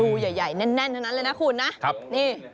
ใหญ่แน่นเท่านั้นเลยนะคุณนะนี่